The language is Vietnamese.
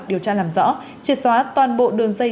điều tra làm rõ triệt xóa toàn bộ đường dây